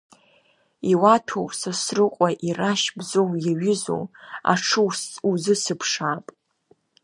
Иуаҭәоу, Сасрыҟәа ирашь Бзоу иаҩызоу аҽы узысыԥшаап.